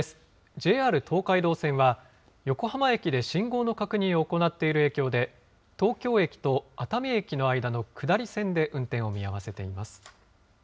ＪＲ東海道線は、横浜駅で信号の確認を行っている影響で、東京駅と熱海駅の間の下り線で運転を見合わせています。